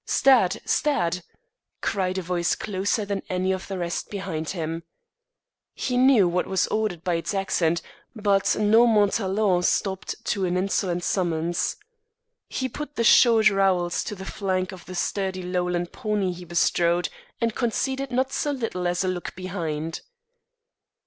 "Stad! stad!" cried a voice closer than any of the rest behind him; he knew what was ordered by its accent, but no Montaiglon stopped to an insolent summons. He put the short rowels to the flanks of the sturdy lowland pony he bestrode, and conceded not so little as a look behind.